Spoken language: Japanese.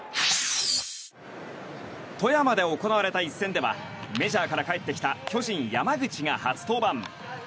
富山で行われた一戦ではメジャーから帰ってきた巨人、山口が初登板。